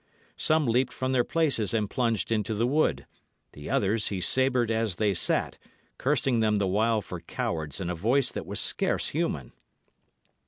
Some leaped from their places and plunged into the wood; the others he sabred as they sat, cursing them the while for cowards in a voice that was scarce human.